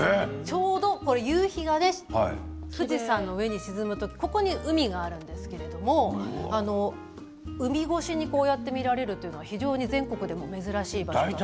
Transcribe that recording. ちょうど夕日が富士山の上に沈む時下に海があるんですけれど海越しにこうやって見られるというのは非常に全国でも珍しい場所で。